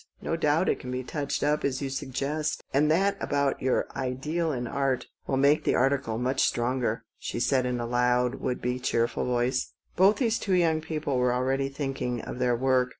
No doubt it can be touched up as you suggest. And that about your ideal in art will make the article much stronger," she said in a loud, would be cheer ful voice. Each of these two young people was already thinking of their work.